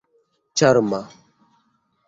ĉarma